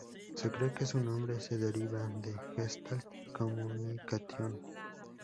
Se cree que su nombre se deriva de "Gestalt Communication".